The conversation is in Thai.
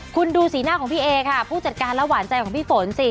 คุณดูสีหน้าของพี่เอค่ะผู้จัดการและหวานใจของพี่ฝนสิ